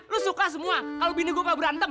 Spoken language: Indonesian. lu suka semua kalau bini gua berantem